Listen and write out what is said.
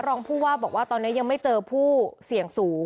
รองผู้ว่าบอกว่าตอนนี้ยังไม่เจอผู้เสี่ยงสูง